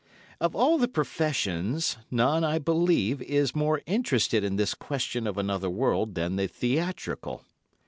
Of all the professions, none, I believe, is more interested in this question of another world than the theatrical.